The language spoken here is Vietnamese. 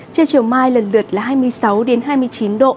trên chiều mai lần lượt là hai mươi sáu đến hai mươi chín độ